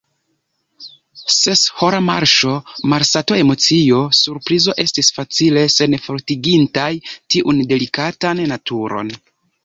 Seshora marŝo, malsato, emocio, surprizo, estis facile senfortigintaj tiun delikatan naturon.